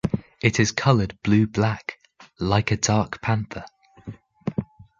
It is colored blue-black, like a dark panther.